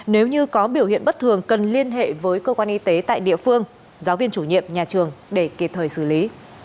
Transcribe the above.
nếu như có biểu hiện bất thường cần liên hệ với cơ quan y tế tại địa phương giáo viên chủ nhiệm nhà trường để kịp thời xử lý